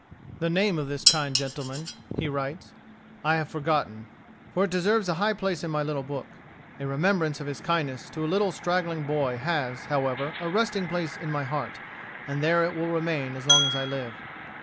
"The name of this kind gentleman," he writes, "I have forgotten; for it deserves a high place in my little book. A remembrance of his kindness to a little straggling boy has, however, a resting place in my heart, and there it will remain as long as I live."